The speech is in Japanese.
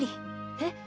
えっ！？